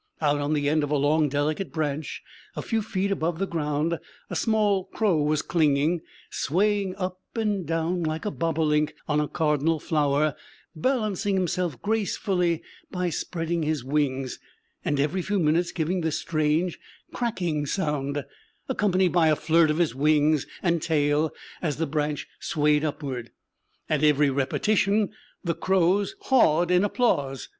Out on the end of a long delicate branch, a few feet above the ground, a small crow was clinging, swaying up and down like a bobolink on a cardinal flower, balancing himself gracefully by spreading his wings, and every few minutes giving the strange cracking sound, accompanied by a flirt of his wings and tail as the branch swayed upward. At every repetition the crows hawed in applause.